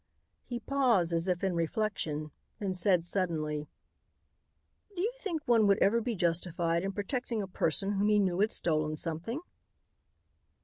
He paused as if in reflection, then said suddenly: "Do you think one would ever be justified in protecting a person whom he knew had stolen something?"